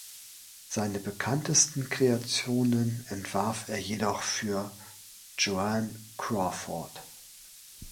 Seine bekanntesten Kreationen entwarf er jedoch für Joan Crawford.